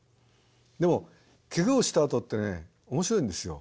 でもケガをしたあとってね面白いんですよ。